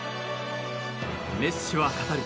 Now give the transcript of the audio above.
メッシは語る。